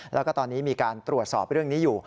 แล้วก็ตอนนี้มีการตรวจสอบเรื่องนี้อยู่